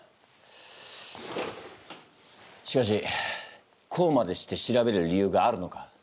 しかしこうまでして調べる理由があるのか？